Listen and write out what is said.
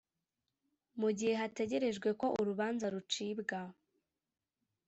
mu gihe hategerejwe ko urubanza rucibwa